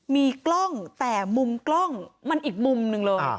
มีกล้องแต่มุมกล้องมันอีกมุมหนึ่งเลย